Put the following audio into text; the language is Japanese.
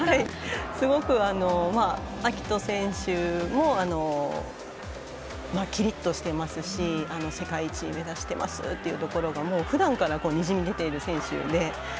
すごく、暁斗選手もきりっとしてますし世界一目指してますってところがふだんからにじみ出ている選手で。